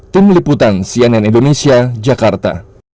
tim liputan cnn indonesia jakarta